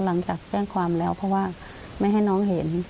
หลังจากแจ้งความแล้วเพราะว่าไม่ให้น้องเห็น